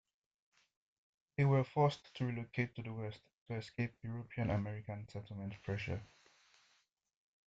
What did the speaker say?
They were forced to relocate to the west to escape European-American settlement pressure.